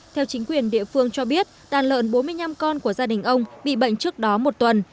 theo chính quyền địa phương cho biết đàn lợn bốn mươi năm con của gia đình ông bị bệnh trước đó một tuần